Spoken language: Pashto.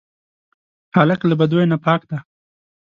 هلک له بدیو نه پاک دی.